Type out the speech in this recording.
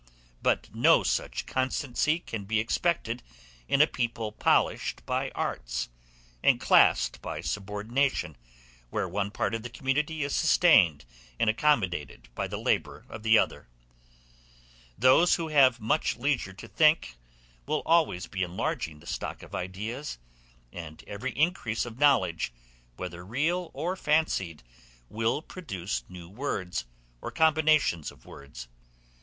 But no such constancy can be expected in a people polished by arts, and classed by subordination, where one part of the community is sustained and accommodated by the labor of the other. Those who have much leisure to think, will always be enlarging the stock of ideas; and every increase of knowledge, whether real or fancied, will produce new words, or combination of words.